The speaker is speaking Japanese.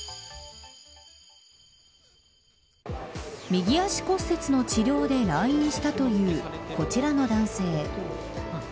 右足骨折の治療で来院したというこちらの男性。